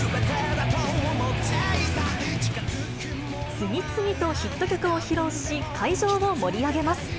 次々とヒット曲を披露し、会場を盛り上げます。